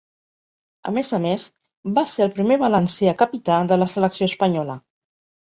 A més a més, va ser el primer valencià capità de la selecció espanyola.